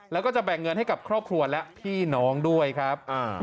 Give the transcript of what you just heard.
แล้วก็จะแบ่งเงินให้กับครอบครัวและพี่น้องด้วยครับ